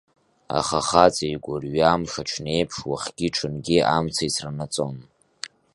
Аха ахаҵа игәырҩа мшаҽнеиԥш, уахгьы-ҽынгьы амца ицранаҵон.